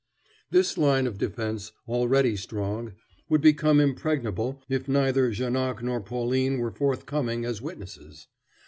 This line of defense, already strong, would become impregnable if neither Janoc nor Pauline were forthcoming as witnesses.